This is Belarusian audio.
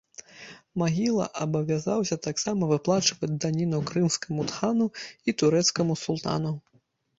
Магіла абавязаўся таксама выплачваць даніну крымскаму хану і турэцкаму султану.